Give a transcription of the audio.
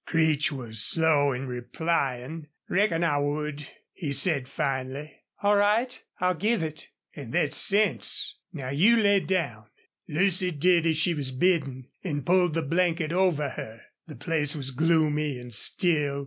Creech was slow in replying. "Reckon I would," he said, finally. "All right, I'll give it." "An' thet's sense. Now you lay down." Lucy did as she was bidden and pulled the blanket over her. The place was gloomy and still.